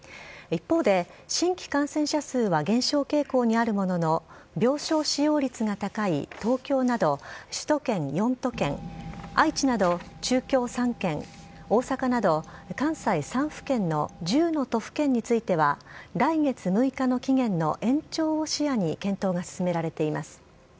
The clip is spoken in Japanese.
一方で、新規感染者数は減少傾向にあるものの、病床使用率が高い東京など首都圏４都県、愛知など中京３県、大阪など関西３府県の１０の都府県については、来月６日の期限の延長を視野に検討が進められています。